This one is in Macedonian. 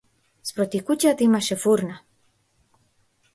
Спроти куќата имаше фурна.